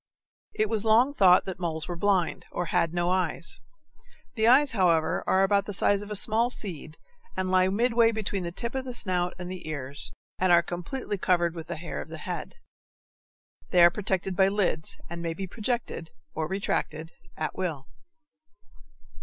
It was long thought that moles were blind, or had no eyes. The eyes, however, are about the size of a small seed lie midway between the tip of the snout and the ears, and are completely covered with the hair of the head. They are protected by lids, and may be projected or retracted at will.